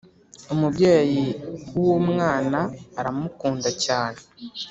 Umubyeyi w ‘umwana aramukunda cyane.